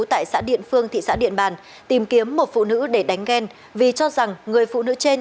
tại xã điện phương thị xã điện bàn tìm kiếm một phụ nữ để đánh ghen vì cho rằng người phụ nữ trên